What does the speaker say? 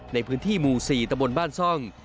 ในพื้นที่หมู่๔ตะบนบ้านซ่อง